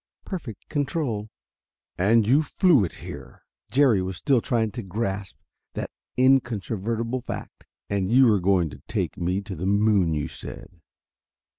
Perfect control!" "And you flew it here!" Jerry was still trying to grasp that incontrovertible fact. "And you were going to take me to the moon, you said."